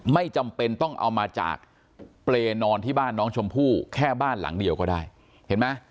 ไม่จำเป็นต้องเอามาจากเปรย์นอนที่บ้านน้องชมพู่แค่บ้านหลังเดียวก็ได้เห็นไหม